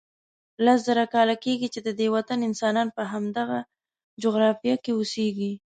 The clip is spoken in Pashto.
لس زره کاله کېږي چې ددې وطن انسانان په همدغه جغرافیه کې اوسیږي.